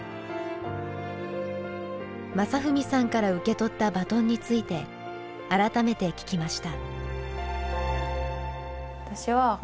雅文さんから受け取ったバトンについて改めて聞きました。